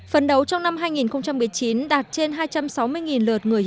phấn đấu trong năm hai nghìn một mươi chín đạt trên hai trăm sáu mươi lượt người